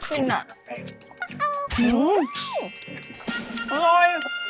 อืมอร่อย